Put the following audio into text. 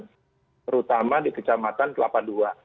terutama di kecamatan kelapa ii